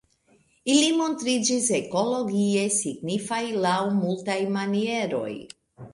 Ili montriĝis ekologie signifaj laŭ multaj manieroj.